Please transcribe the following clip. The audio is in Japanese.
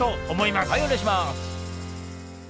はいお願いします。